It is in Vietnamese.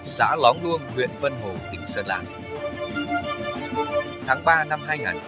xã lóng luông huyện vân hồ tỉnh sơn lan tháng ba năm hai nghìn một mươi năm